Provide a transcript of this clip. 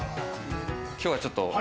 今日はちょっと。